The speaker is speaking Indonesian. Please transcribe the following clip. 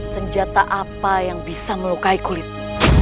senjata apa yang bisa melukai kulit